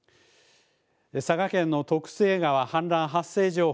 佐賀県の徳須恵川、氾濫発生情報。